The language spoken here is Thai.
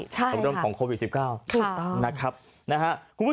ใช่ครับคือต่อตรงเดิมของโควิด๑๙นะครับคุณผู้ชม